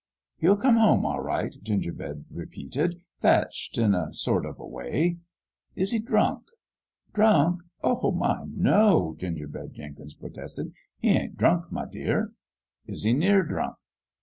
" He'll come home, all right," Gingerbread repeated, " fetched in a sort of a way." "Is he drunk?" " Drunk ? Oh, my, no !" Gingerbread Jenkins protested ; "he ain't drunk, my dear." "Is he near drunk?"